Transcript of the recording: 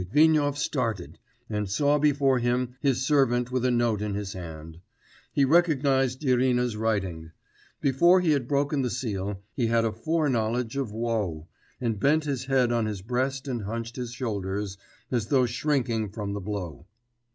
Litvinov started, and saw before him his servant with a note in his hand. He recognised Irina's writing.... Before he had broken the seal, he had a foreknowledge of woe, and bent his head on his breast and hunched his shoulders, as though shrinking from the blow.